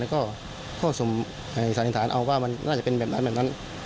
แล้วก็ข้อสันนิษฐานเอาว่ามันน่าจะเป็นแบบนั้นแบบนั้น